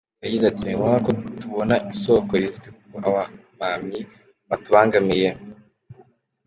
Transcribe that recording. Yagize ati “Ni ngombwa ko tubona isoko rizwi kuko abamamyi batubangamiye.